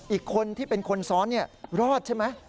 อีกคนที่เป็นคนซ้อนรอดใช่ไหม